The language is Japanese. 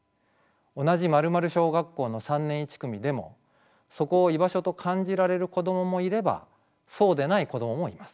同じ〇〇小学校の３年１組でもそこを居場所と感じられる子供もいればそうでない子供もいます。